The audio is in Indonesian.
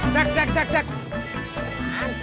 jak jak jak